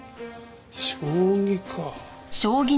将棋か。